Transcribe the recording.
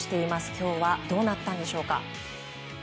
今日はどうなったんでしょうか。